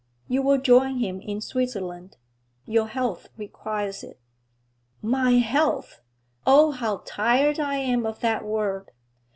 'You will join him in Switzerland. Your health requires it.' 'My health! Oh, how tired I am of that word!